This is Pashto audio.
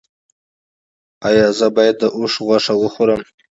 ایا زه باید د اوښ غوښه وخورم؟